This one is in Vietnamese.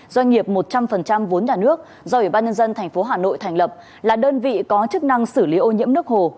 doanh nghiệp một trăm linh vốn nhà nước do ủy ban nhân dân tp hà nội thành lập là đơn vị có chức năng xử lý ô nhiễm nước hồ